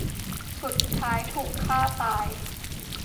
สุดท้ายถูกฆ่าตาย